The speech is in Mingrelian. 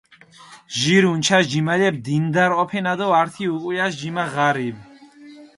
ჟირი უნჩაში ჯიმალეფი დინდარი ჸოფენა დო ართი უკულაში ჯიმა ღარიბი.